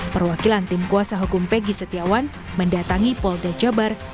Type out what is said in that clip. perwakilan tim kuasa hukum pegi setiawan mendatangi polda jawa barat